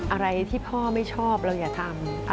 อะไรที่พ่อไม่ชอบเราอย่าทำ